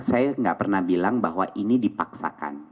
saya nggak pernah bilang bahwa ini dipaksakan